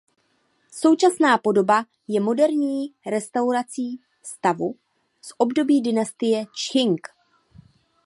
Současná podoba je moderní restaurací stavu z období dynastie Čching.